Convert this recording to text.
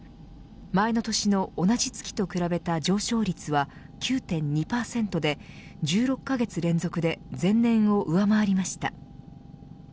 前の年の同じ月と比べた上昇率は９．２％で１６カ月連続で前年を上回りました。